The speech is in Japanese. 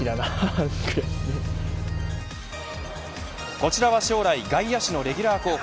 こちらは将来外野手のレギュラー候補